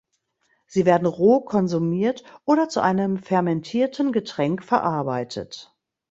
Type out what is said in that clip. Sie werden roh konsumiert oder zu einem fermentierten Getränk verarbeitet.